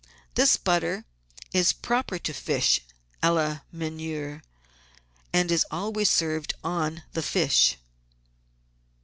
This butter is proper to fish " kla Meuni^re " and is always served on the fish.